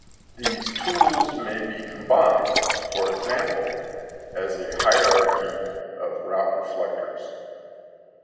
These tools may be combined, for example, as a hierarchy of route reflectors.